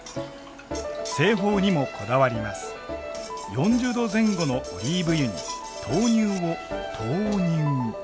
４０度前後のオリーブ油に豆乳を投入。